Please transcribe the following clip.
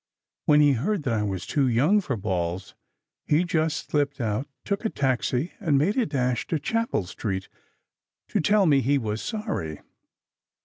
When he heard that I was "too young for balls," he just slipped out, took a taxi, and made a dash to Chapel Street to tell me he was sorry.